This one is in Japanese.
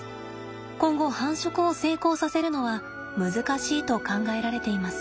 今後繁殖を成功させるのは難しいと考えられています。